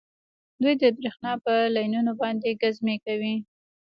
دوی د بریښنا په لینونو باندې ګزمې کوي